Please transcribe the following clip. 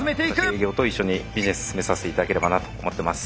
営業と一緒にビジネス進めさせて頂ければなと思ってます。